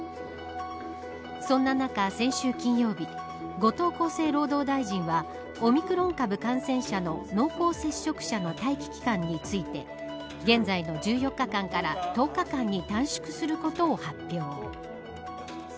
そんな中、先週金曜日後藤厚生労働大臣はオミクロン株感染者の濃厚接触者の待機期間について現在の１４日間から１０日間に短縮することを発表。